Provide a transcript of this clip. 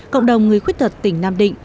cộng đồng người khuyết tật tỉnh nam định